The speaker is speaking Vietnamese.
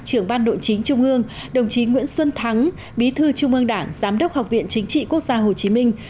trưởng ban nội chính trung ương đồng chí nguyễn xuân thắng bí thư trung ương đảng giám đốc học viện chính trị quốc gia hồ chí minh